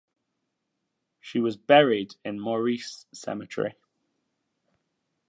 She was buried in Maurice Cemetery.